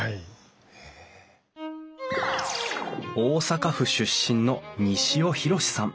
大阪府出身の西尾祐諄さん。